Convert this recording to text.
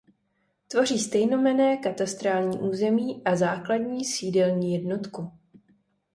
Tvoří stejnojmenné katastrální území a základní sídelní jednotku.